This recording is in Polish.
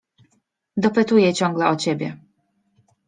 Dopytuje ciągle o ciebie.